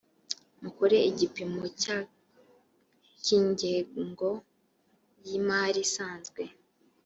mukore igipimo cya k’ingengo y’ imari isanzwe .